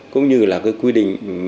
cũng như là cái quy định